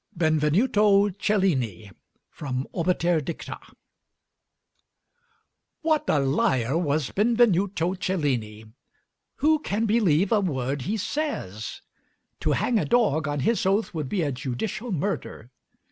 BENVENUTO CELLINI From 'Obiter Dicta' What a liar was Benvenuto Cellini! who can believe a word he says? To hang a dog on his oath would be a judicial murder.